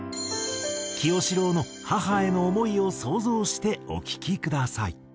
清志郎の母への想いを想像してお聴きください。